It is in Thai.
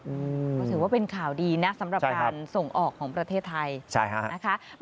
ก็ถือว่าเป็นข่าวดีนะสำหรับการส่งออกของประเทศไทยนะคะ